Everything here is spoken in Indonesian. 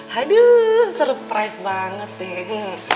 haduh surprise banget deh